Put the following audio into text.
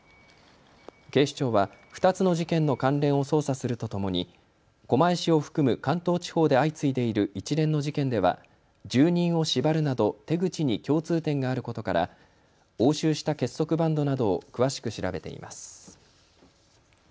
警視庁は２つの事件の関連を捜査するとともに狛江市を含む関東地方で相次いでいる一連の事件では住人を縛るなど手口に共通点があることから押収した結束バンドなどを詳しく調べています。